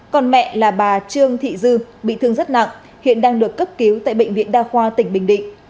còn mẹ là bà trương thị dư bị thương rất nặng hiện đang được cấp cứu tại bệnh viện đa khoa tỉnh bình định